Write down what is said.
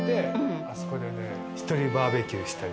あそこでね一人バーベキューしてるの。